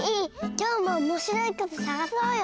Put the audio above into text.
今日もおもしろいことさがそうよ！